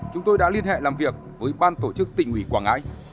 chúng tôi đã liên hệ làm việc với ban tổ chức tỉnh ủy quảng ngãi